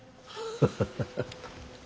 ハハハハ。